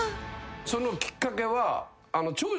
そのきっかけは。